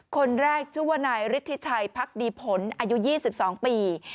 คนแรกชื่อว่านายฤทธิชัยพักดีผลอายุ๒๒ปี